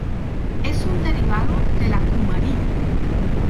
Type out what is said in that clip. Es un derivado de la cumarina.